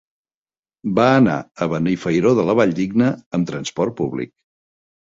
Va anar a Benifairó de la Valldigna amb transport públic.